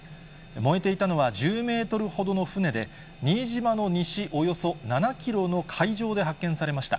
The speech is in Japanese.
燃えていたのは、１０メートルほどの船で、新島の西およそ７キロの海上で発見されました。